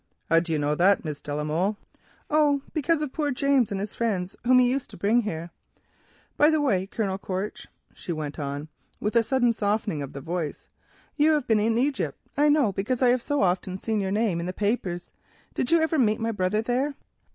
"How do you know that, Miss de la Molle?" "Oh, because of poor James and his friends whom he used to bring here. By the way, Colonel Quaritch," she went on with a sudden softening of the voice, "you have been in Egypt, I know, because I have so often seen your name in the papers; did you ever meet my brother there?"